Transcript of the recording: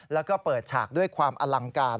แล้วก็เปิดฉากด้วยความอลังการ